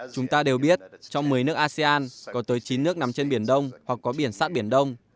chúng ta đều biết trong một mươi nước asean có tới chín nước nằm trên biển đông hoặc có biển sát biển đông